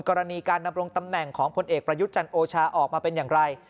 กรณีการดำรงตำแหน่งของผลเอกประยุทธ์จันทร์โอชาออกมาเป็นอย่างไร